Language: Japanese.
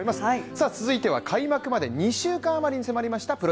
続いては開幕まで２週間余りに迫りました